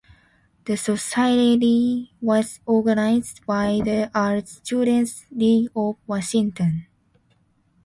The Society was organized by the "Art Students League of Washington".